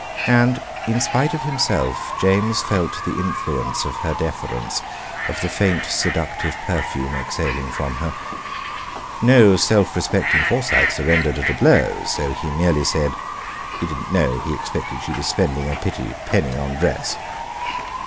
And, in spite of himself, James felt the influence of her deference, of the faint seductive perfume exhaling from her. No self respecting Forsyte surrendered at a blow; so he merely said: He didn't know—he expected she was spending a pretty penny on dress.